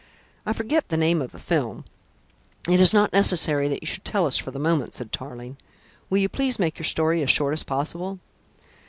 I forget the name of the film " "It is not necessary that you should tell us for the moment," said Tarling. "Will you please make your story as short as possible?"